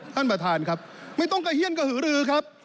ท่านประธานครับไม่ต้องกระเฮียนกระหือรือครับ